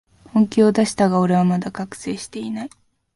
本気を出したが、俺はまだ覚醒してない